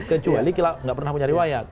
kecuali nggak pernah punya riwayat